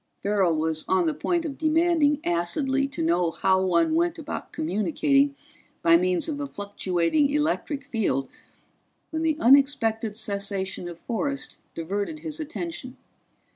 Farrell was on the point of demanding acidly to know how one went about communicating by means of a fluctuating electric field when the unexpected cessation of forest diverted his attention.